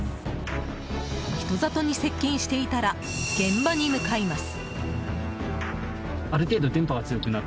人里に接近していたら現場に向かいます。